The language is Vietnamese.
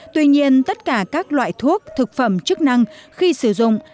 tuy nhiên tất cả các loại thuốc thực phẩm chức năng khi sử dụng